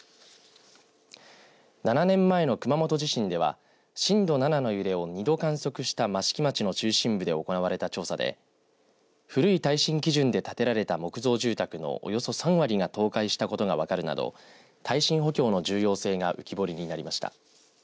７年前の熊本地震では震度７の揺れを２度観測した益城町の中心部で行われた調査で古い耐震基準で建てられた木造住宅のおよそ３割が倒壊したことが分かるなど耐震補強の重要性が浮き彫りになりました。